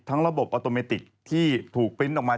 ระบบออโตเมติกที่ถูกปริ้นต์ออกมา